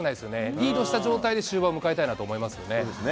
リードした状態で終盤迎えたいなそうですね。